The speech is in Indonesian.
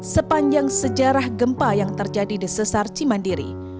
sepanjang sejarah gempa yang terjadi di sesar cimandiri